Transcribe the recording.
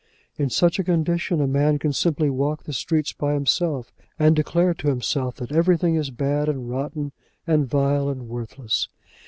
In such a condition, a man can simply walk the streets by himself, and declare to himself that everything is bad, and rotten, and vile, and worthless.